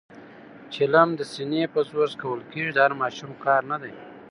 چلم د سینې په زور څکول کېږي، د هر ماشوم کار نه دی.